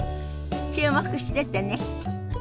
注目しててね。